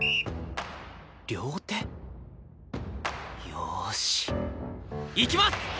よーし！いきます！